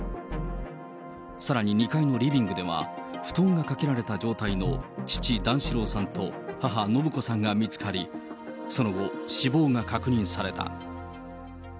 さらに２階のリビングでは、布団がかけられた状態の父、段四郎さんと母、延子さんが見つかり、その後、死亡が確認された。